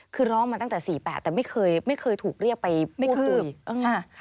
คือร้องมาตั้งแต่๔๘แต่ไม่เคยถูกเรียกไปพูดตัวอีก